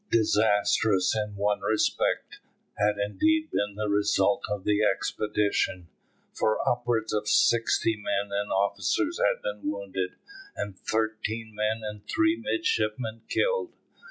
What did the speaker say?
Disastrous in one respect had indeed been the result of the expedition, for upwards of sixty men and officers had been wounded, and thirteen men and three midshipmen killed.